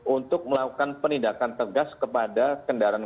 untuk melakukan penindakan tegas kepada kendaraan